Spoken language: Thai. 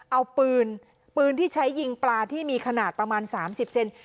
เอาปืนปืนที่ใช้ยิงปลาที่มีขนาดประมาณ๓๐เซน